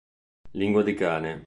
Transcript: Lingua di cane